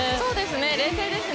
冷静ですね。